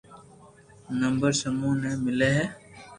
لڌيز سمون بي ملي هي